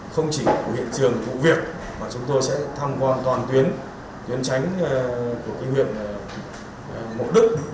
không chỉ của hiện trường vụ việc mà chúng tôi sẽ thăm quan toàn tuyến tránh của huyện mổ đức